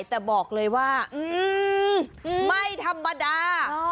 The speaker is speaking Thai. แต่บอกเลยว่าไม่ธรรมดา